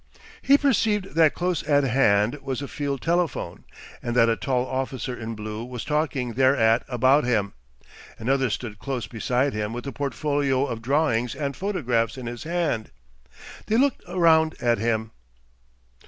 He perceived that close at hand was a field telephone, and that a tall officer in blue was talking thereat about him. Another stood close beside him with the portfolio of drawings and photographs in his hand. They looked round at him.